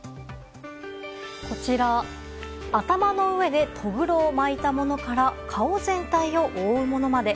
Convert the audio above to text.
こちら、頭の上でとぐろを巻いたものから顔全体を覆うものまで。